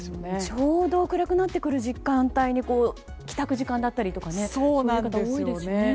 ちょうど暗くなってくる時間帯に帰宅時間だったりとかすることが多いですしね。